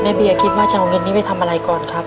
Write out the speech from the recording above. เบียคิดว่าจะเอาเงินนี้ไปทำอะไรก่อนครับ